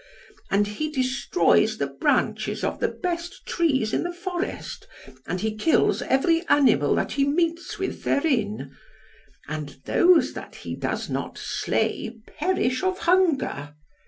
And he destroys the branches of the best trees in the forest and he kills every animal that he meets with therein; and those that he does not slay perish of hunger.